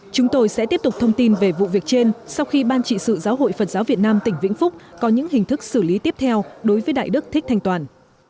chúng tôi sẽ tiếp tục thông tin về vụ việc trên sau khi ban trị sự giáo hội phật giáo việt nam tỉnh vĩnh phúc có những hình thức xử lý tiếp theo đối với đại đức thích thanh toàn